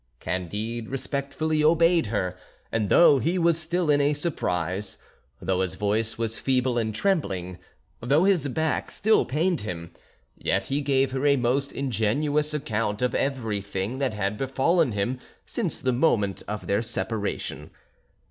Candide respectfully obeyed her, and though he was still in a surprise, though his voice was feeble and trembling, though his back still pained him, yet he gave her a most ingenuous account of everything that had befallen him since the moment of their separation.